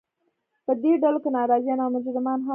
په دې ډلو کې ناراضیان او مجرمان هم وو.